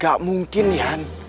gak mungkin dian